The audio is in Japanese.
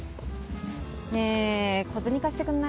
ねぇ小銭貸してくんない？